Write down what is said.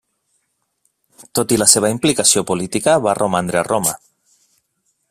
Tot i la seva implicació política va romandre a Roma.